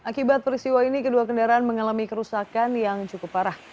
akibat peristiwa ini kedua kendaraan mengalami kerusakan yang cukup parah